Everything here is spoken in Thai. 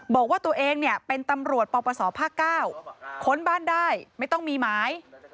บอกว่าตัวเองเนี่ยเป็นตำรวจปปศภาค๙ค้นบ้านได้ไม่ต้องมีหมาย